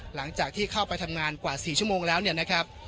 หลังจากที่เข้าไปทำงานกว่า๔ชั่วโมงแล้วเนี่ยนะครับ